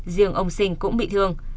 riêng ông sinh cũng bị thương